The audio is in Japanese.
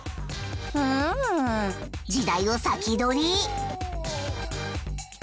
うん時代を先取り！